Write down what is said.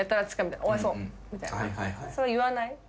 それ言わない？